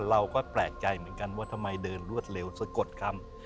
เราก็แปลกใจเหมือนกันว่าทำไมเดินรวดเร็วสะกดคำ